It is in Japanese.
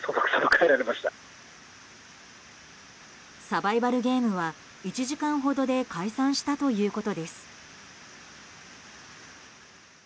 サバイバルゲームは１時間ほどで解散したということです。